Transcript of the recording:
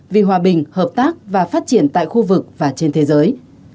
vì hòa bình hợp tác và phát triển tại khu vực và trên thế giới